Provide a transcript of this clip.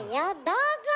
どうぞ！